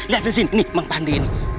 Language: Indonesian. lihat disini emang pandi ini